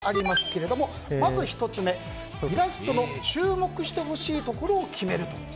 大きく２つありますけれどもまず１つ目イラストの注目してほしいところを決めると。